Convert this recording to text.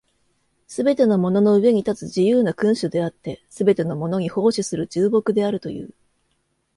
すべてのものの上に立つ自由な君主であって、すべてのものに奉仕する従僕であるという。